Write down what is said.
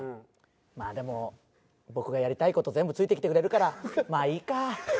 まあでも僕がやりたい事全部ついてきてくれるからまあいいか。